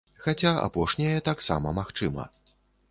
Хаця апошняе таксама магчыма.